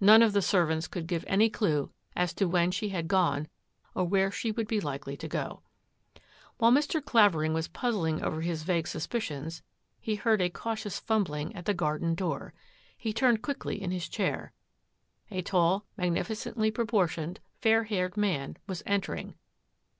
None of the servants could give any clue as to when she had gone or where she would be likely to go. While Mr. Clavering was puzzling over his vague suspicions, he heard a cautious fumbling at the garden door. He turned quickly in his chair. A tall, magnificently proportioned, fair haired man was entering.